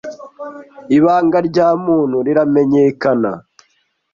Ibanga rya muntu riramenyekana